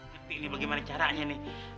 tapi ini bagaimana caranya nih